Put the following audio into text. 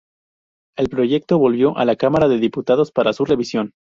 El proyecto volvió a la cámara de Diputados para su revisión.